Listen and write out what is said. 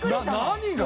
何が？